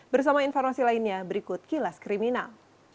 bersama informasi lainnya berikut kilas kriminal